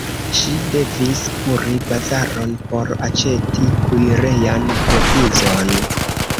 Ŝi devis kuri bazaron por aĉeti kuirejan provizon.